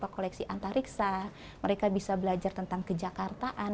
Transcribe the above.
koleksi antariksa mereka bisa belajar tentang kejakartaan